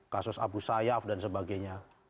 kasus abu sayyaf dan sebagainya